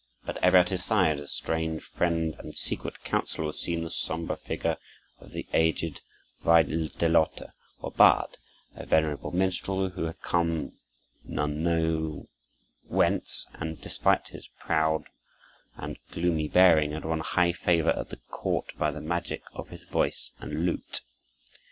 But ever at his side, as strange friend and secret counselor, was seen the somber figure of the aged Wajdelote, or bard, a venerable minstrel, who had come none knew whence, and, despite his proud and gloomy bearing, had won high favor at the court by the magic of his voice and lute.